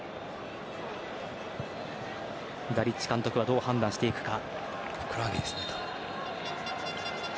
ダリッチ監督はどう判断していくか。